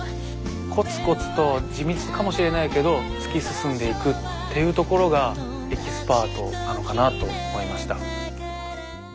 コツコツと地道かもしれないけど突き進んでいくっていうところがエキスパートなのかなと思いました。